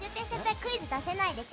クイズ出せないでしょ。